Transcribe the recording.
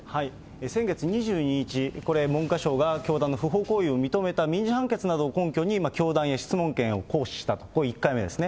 先月２２日、これ、文科省が教団の不法行為を認めた民事判決などを根拠に教団へ質問権を行使したと、これ１回目ですね。